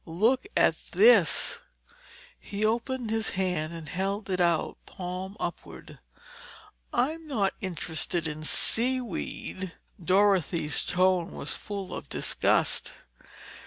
Look at this—" He opened his hand and held it out, palm upward. "I'm not interested in seaweed!" Dorothy's tone was full of disgust.